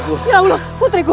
putriku putriku putriku